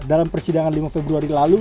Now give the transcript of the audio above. dalam persidangan lima februari lalu